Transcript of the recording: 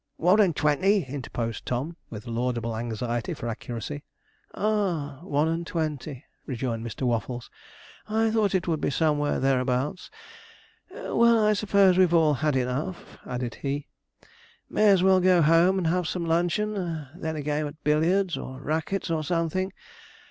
'One and twenty,' interposed Tom, with a laudable anxiety for accuracy. 'Ah! one and twenty,' rejoined Mr. Waffles. 'I thought it would be somewhere thereabouts. Well, I suppose we've all had enough,' added he, 'may as well go home and have some luncheon, and then a game at billiards, or rackets, or something.